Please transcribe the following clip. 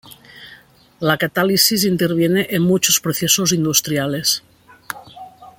La catálisis interviene en muchos procesos industriales.